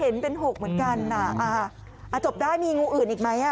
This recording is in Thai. เห็นเป็น๖เหมือนกันจบได้มีงูอื่นอีกไหม